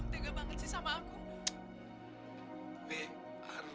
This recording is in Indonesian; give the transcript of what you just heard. tega banget sih sama aku